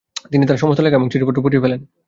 তিনি তার সমস্ত লেখা এবং চিঠিপত্র পুড়িয়ে ফেলেন।